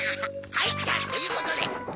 はいじゃあそういうことで！